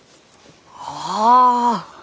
ああ！